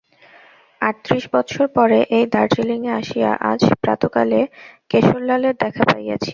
আটত্রিশ বৎসর পরে এই দার্জিলিঙে আসিয়া আজ প্রাতঃকালে কেশরলালের দেখা পাইয়াছি।